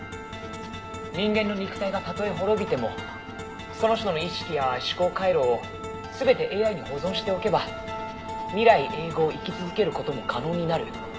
「人間の肉体がたとえ滅びてもその人の意識や思考回路を全てＡＩに保存しておけば未来永劫生き続ける事も可能になる」